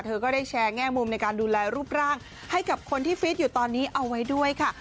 ก็ได้แชร์แง่มุมในการดูแลรูปร่างให้กับคนที่ฟิตอยู่ตอนนี้เอาไว้ด้วยค่ะ